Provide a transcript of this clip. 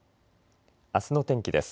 あすの天気です。